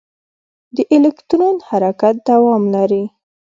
د الکترون حرکت دوام لري.